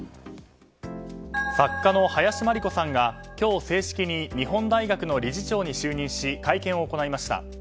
作家の林真理子さんが今日、正式に日本大学の理事長に就任し会見を行いました。